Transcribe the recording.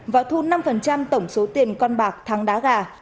và thu năm tổng số tiền con bạc thắng đá gà